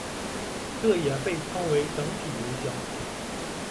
这也被称为整体油箱。